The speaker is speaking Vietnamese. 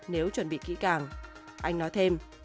nếu chuẩn bị kỹ càng anh nói thêm